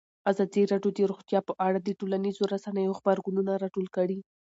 ازادي راډیو د روغتیا په اړه د ټولنیزو رسنیو غبرګونونه راټول کړي.